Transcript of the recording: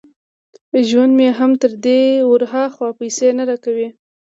ژوند مې هم تر دې ور هاخوا پيسې نه را کوي.